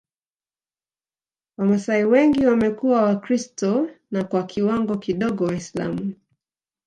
Wamasai wengi wamekuwa Wakristo na kwa kiwango kidogo Waislamu